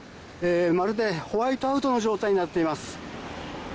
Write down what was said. まるで、ホワイトアウトの状態になっています。